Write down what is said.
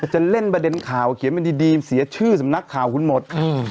จะเล่นประเด็นข่าวเขียนเป็นดีเสียชื่อสำนักข่าวคุณหมด